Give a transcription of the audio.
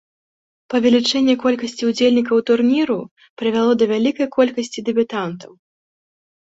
Павелічэнне колькасці ўдзельнікаў турніру прывяло да вялікай колькасці дэбютантаў.